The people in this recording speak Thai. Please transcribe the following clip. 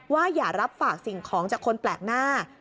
อย่ารับฝากสิ่งของจากคนแปลกหน้า